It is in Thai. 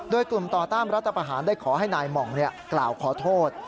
โดยกลุ่มต่อต้านรัฐประหารได้ขอให้นายหม่องกล่าวขอโทษ